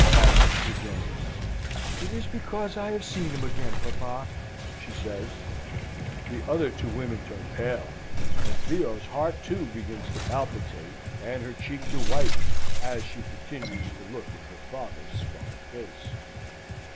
asks the General. "It is because I have seen him again, papa!" she says. The other two women turned pale, and Theo's heart too begins to palpitate, and her cheek to whiten, as she continues to look in her father's scared face.